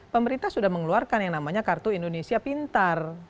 pemerintah sudah mengeluarkan yang namanya kartu indonesia pintar